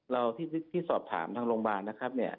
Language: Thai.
เราที่สอบถามทางโรงพยาบาลนะครับ